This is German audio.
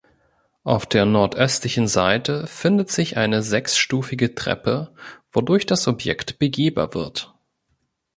An der nordöstlichen Seite findet sich eine sechsstufige Treppe, wodurch das Objekt begehbar wird.